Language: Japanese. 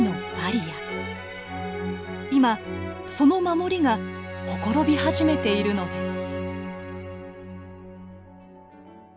今その守りがほころび始めているのです。